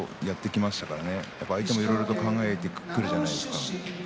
相手もいろいろと考えてくるじゃないですか。